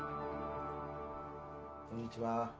こんにちは。